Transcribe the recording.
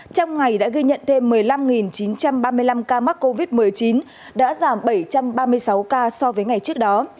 trong ngày đã ghi nhận thêm một mươi năm chín trăm ba mươi năm ca mắc covid một mươi chín đã giảm bảy trăm ba mươi sáu ca so với ngày trước đó